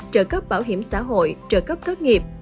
trợ cấp bảo hiểm xã hội trợ cấp thất nghiệp